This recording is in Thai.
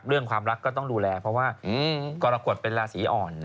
เรื่องความรักก็ต้องดูแลเพราะว่ากรกฎเป็นราศีอ่อน